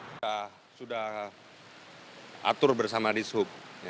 kita sudah atur bersama di sub